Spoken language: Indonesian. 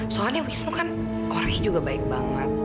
soalnya wismu kan orangnya juga baik banget